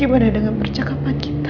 gimana dengan percakapan kita